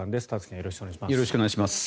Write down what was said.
よろしくお願いします。